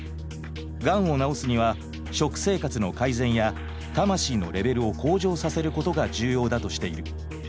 がんを治すには食生活の改善や魂のレベルを向上させることが重要だとしている。